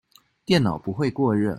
電腦不會過熱